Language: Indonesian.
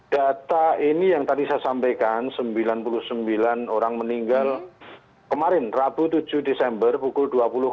data ini yang tadi saya sampaikan sembilan puluh sembilan orang meninggal kemarin rabu tujuh desember pukul dua puluh empat